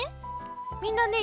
みんなね